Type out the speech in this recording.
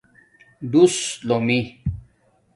ڈݸس لومئ